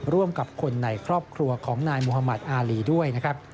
ร่วมกับคนในครอบครัวของนายมุธมัติอารีด้วยนะครับ